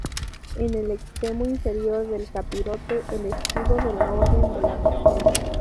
En el extremo inferior del capirote el escudo de la Orden de la Merced.